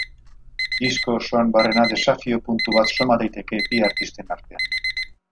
Disko osoan barrena desafio puntu bat soma daiteke bi artisten artean.